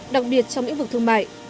đặc biệt trong những vực thương mại